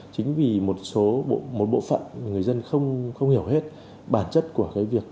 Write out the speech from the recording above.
chính vì một số bộ phận người dân không hiểu hết bản chất của cái việc